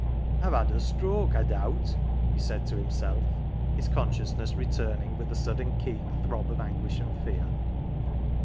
" IVe had a stroke, I doubt !" he said to himself, his consciousness returning with a sudden keen throb of anguish and fear.